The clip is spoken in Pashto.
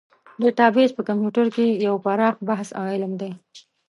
ډیټابیس په کمپیوټر کې یو پراخ بحث او علم دی.